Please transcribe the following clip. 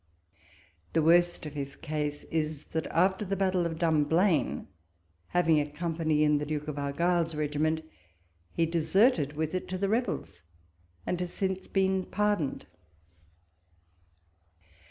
The worst of his case is, that after the battle of Dumblain, having a company in the Duke of Argyll's regiment, he deserted with it to the rebels, and has since been par doned.